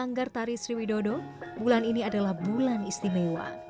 sanggar tari sriwidodo bulan ini adalah bulan istimewa